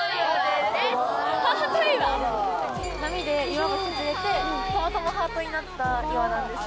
波で岩が削れてたまたまハートになった岩なんですよ。